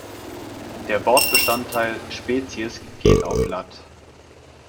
Der Wortbestandteil "Spezies" geht auf lat.